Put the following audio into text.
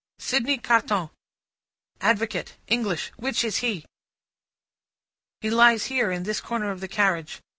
Sydney Carton. Advocate. English. Which is he?" He lies here, in this corner of the carriage.